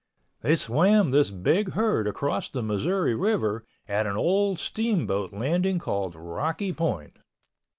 They swam this big herd across the Missouri River at an old steamboat landing called Rocky Point.